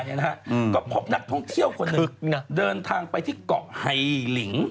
นะฮะก็พบนักท่องเที่ยวคนหนึ่งเดินทางไปที่เกาะไฮลิง